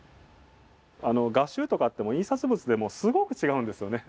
画集とか印刷物でもすごく違うんですよね。